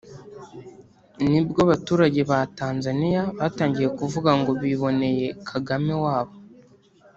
nibwo abaturage ba Tanzania batangiye kuvuga ngo biboneye Kagame wabo